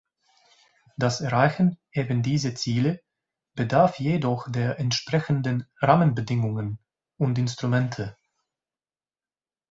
Das Erreichen eben dieser Ziele bedarf jedoch der entsprechenden Rahmenbedingungen und Instrumente.